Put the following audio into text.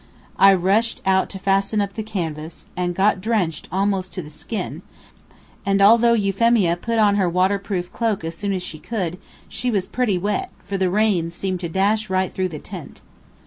I rushed out to fasten up the canvas, and got drenched almost to the skin, and although Euphemia put on her waterproof cloak as soon as she could, she was pretty wet, for the rain seemed to dash right through the tent.